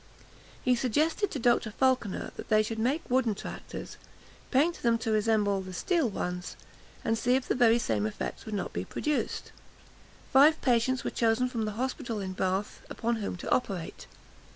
He suggested to Dr. Falconer that they should make wooden tractors, paint them to resemble the steel ones, and see if the very same effects would not be produced. Five patients were chosen from the hospital in Bath, upon whom to operate.